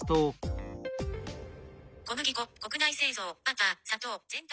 「小麦粉国内製造バター砂糖全卵」。